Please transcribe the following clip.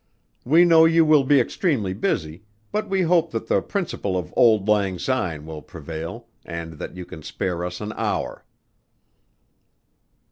We know you will be extremely busy, but we hope that the principle of Auld Lang Syne will prevail and that you can spare us an hour."